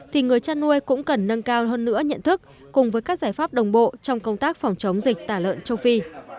thì người chăn nuôi cũng cần nâng cao hơn nữa nhận thức cùng với các giải pháp đồng bộ trong công tác phòng chống dịch tả lợn châu phi